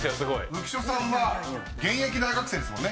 ［浮所さんは現役大学生ですもんね？］